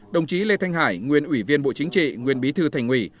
đồng chí lê thanh hải nguyên ủy viên bộ chính trị nguyên bí thư thành ủy